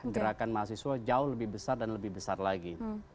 gerakan mahasiswa jauh lebih besar dan lebih besar lagi